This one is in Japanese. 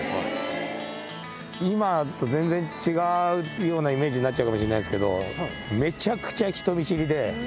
今と全然違うようなイメージになっちゃうかもしれないですけど、めちゃくちゃ人見知りで。